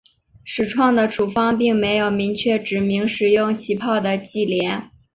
始创的处方并没有明确指明使用起泡的忌廉。